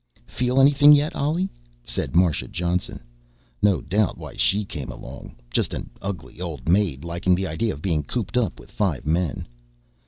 "Feel anything yet, Ollie?" said Marsha Johnson. No doubt why she came along. Just an ugly old maid liking the idea of being cooped up with five men.